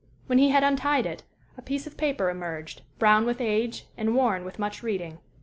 When he had untied it, a piece of paper emerged, brown with age and worn with much reading.